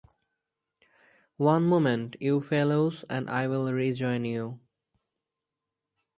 One moment, you fellows, and I’ll rejoin you.